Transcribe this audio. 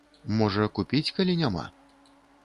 Можа, купіць, калі няма?